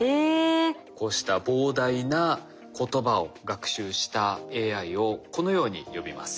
こうした膨大な言葉を学習したＡＩをこのように呼びます。